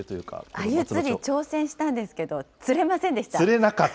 あゆ釣り、挑戦したんですけど、釣れませんでした。